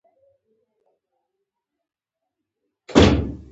یا د لازمو ګامونو نه اخیستو له امله ناکام شول.